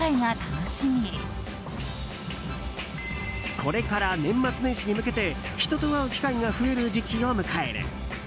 これから年末年始に向けて人と会う機会が増える時期を迎える。